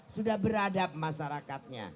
sudah beradab masyarakatnya